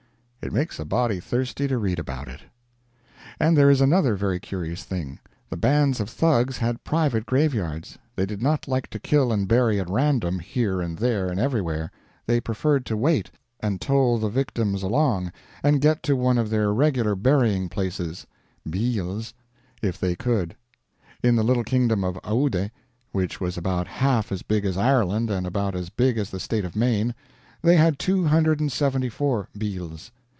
It makes a body thirsty to read about it. And there is another very curious thing. The bands of Thugs had private graveyards. They did not like to kill and bury at random, here and there and everywhere. They preferred to wait, and toll the victims along, and get to one of their regular burying places ['bheels') if they could. In the little kingdom of Oude, which was about half as big as Ireland and about as big as the State of Maine, they had two hundred and seventy four 'bheels'.